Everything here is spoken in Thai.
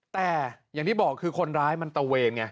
แต่อย่างที่บอกคือคนร้ายมันตะเวนไง